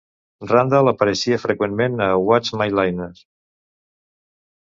Randall apareixia freqüentment a "What's My Line?".